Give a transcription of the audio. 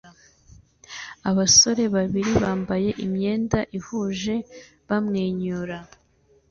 Abasore babiri bambaye imyenda ihuje bamwenyura